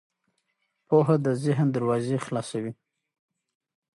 پوهه د ذهن دروازې خلاصوي.